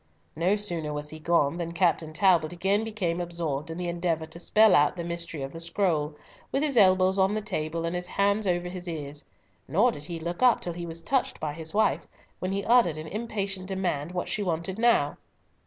No sooner was he gone than Captain Talbot again became absorbed in the endeavour to spell out the mystery of the scroll, with his elbows on the table and his hands over his ears, nor did he look up till he was touched by his wife, when he uttered an impatient demand what she wanted now.